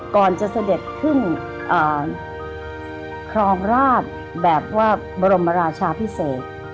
ก่อนจะเสด็จขึ้นครองราชแบบว่าบรมราชาพิเศษ